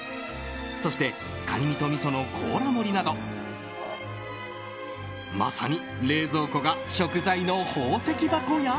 そして、カニ身とみその甲羅盛りなどまさに冷蔵庫が食材の宝石箱や！